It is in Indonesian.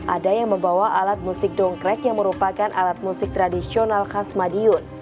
ada yang membawa alat musik dongkrek yang merupakan alat musik tradisional khas madiun